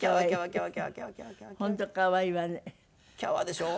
キャワでしょ？